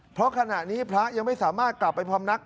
เพราะขณะนี้พระยังไม่สามารถกลับไปพำนัก